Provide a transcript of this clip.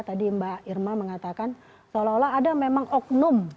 tadi mbak irma mengatakan seolah olah ada memang oknum